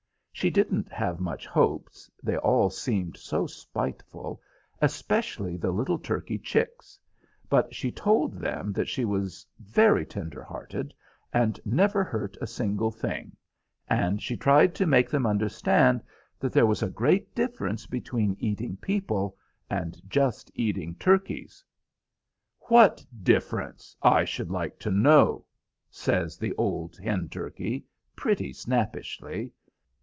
She didn't have much hopes, they all seemed so spiteful, especially the little turkey chicks; but she told them that she was very tender hearted, and never hurt a single thing, and she tried to make them understand that there was a great difference between eating people and just eating turkeys. "What difference, I should like to know?" says the old hen turkey, pretty snappishly.